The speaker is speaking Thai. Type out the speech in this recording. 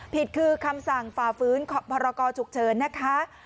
ผิดคือคำสั่งฝ่าฟื้นพรกรฉุกเฉินนะคะ